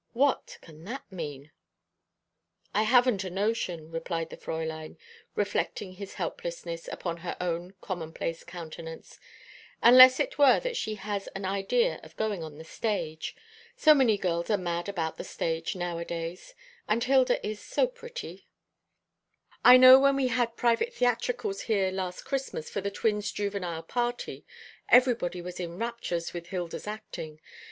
"What can that mean?" "I haven't a notion," replied the Fräulein, reflecting his helplessness upon her own commonplace countenance, "unless it were that she has an idea of going on the stage. So many girls are mad about the stage nowadays. And Hilda is so pretty. I know when we had private theatricals here last Christmas for the twins' juvenile party, everybody was in raptures with Hilda's acting.